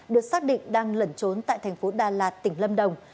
được xác định đang lẩn trốn tại thành phố đà lạt tỉnh lâm đồng